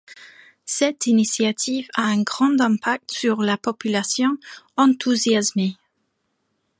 Cette initiative a un grand impact sur la population, enthousiasmée.